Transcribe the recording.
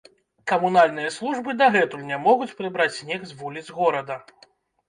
Камунальныя службы дагэтуль не могуць прыбраць снег з вуліц горада.